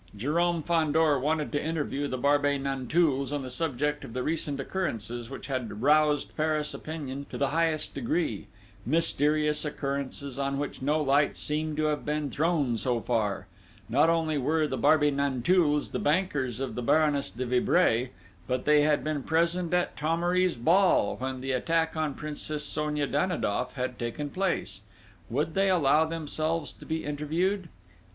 Jérôme Fandor wanted to interview the Barbey Nanteuils on the subject of the recent occurrences, which had roused Paris opinion to the highest degree mysterious occurrences on which no light seemed to have been thrown so far.... Not only were the Barbey Nanteuils the bankers of the Baroness de Vibray, but they had been present at Thomery's ball, when the attack on Princess Sonia Danidoff had taken place.... Would they allow themselves to be interviewed?